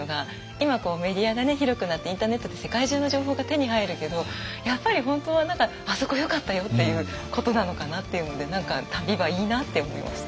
今メディアが広くなってインターネットで世界中の情報が手に入るけどやっぱり本当は「あそこよかったよ！」っていうことなのかなっていうので何か旅はいいなって思いました。